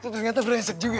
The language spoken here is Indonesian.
ternyata beresek juga ya